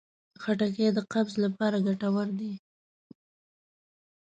خټکی د قبض لپاره ګټور دی.